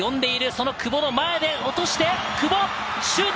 その久保の前で落として久保、シュート！